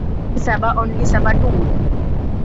Only Saba ‘only Saba two’.